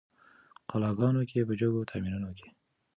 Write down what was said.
قلاګانو کي په جګو تعمیرو کي